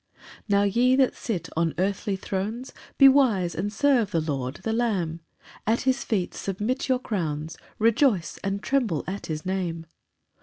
8 Now, ye that sit on earthly thrones, Be wise, and serve the Lord, the Lamb; at his feet submit your crowns, Rejoice and tremble at his name.